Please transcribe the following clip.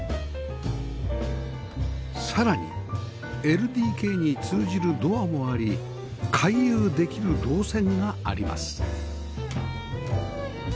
さらに ＬＤＫ に通じるドアもあり回遊できる動線があります